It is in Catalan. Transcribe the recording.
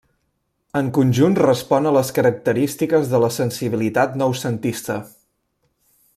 En conjunt respon a les característiques de la sensibilitat noucentista.